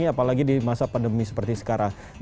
apalagi di masa pandemi seperti sekarang